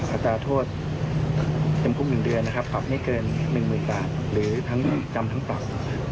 อัตราโทษจำคุก๑เดือนนะครับปรับไม่เกิน๑๐๐๐บาทหรือทั้งจำทั้งปรับ